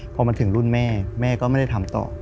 พอมันถึงรุ่นแม่แม่ก็ไม่ได้ทำต่อ